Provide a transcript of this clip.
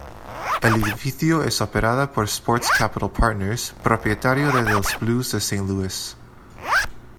El edificio es operada por Sports Capital Partners, propietario de los Blues de St.